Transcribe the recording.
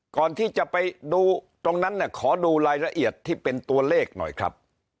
ก่อนที่จะไปดูตรงนั้นขอดูรายละเอียดที่เป็นตัวเลขหน่อยครับ